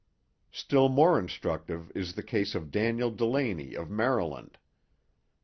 Still more instructive is the case of Daniel Dulany of Maryland.